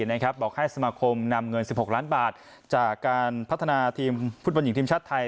บอกให้สมาคมนำเงิน๑๖ล้านบาทจากการพัฒนาทีมฟุตบอลหญิงทีมชาติไทย